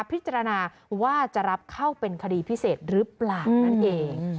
พิจารณาว่าจะรับเข้าเป็นคดีพิเศษหรือเปล่านั่นเอง